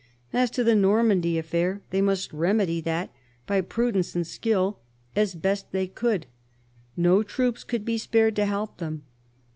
As to the Normandy affair, they must remedy that " by prudence and skill," as best they could : no troops could be spared to help ■ them.